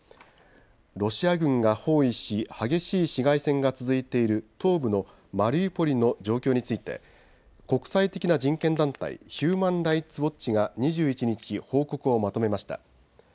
ロシア軍が包囲し激しい市街戦が続いている東部のマリウポリの状況について国際的な人権団体、ヒューマン・ライツ・ウォッチが２１日、報告をまとめました。